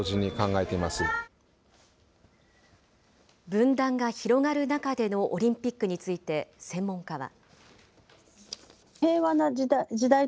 分断が広がる中でのオリンピックについて専門家は。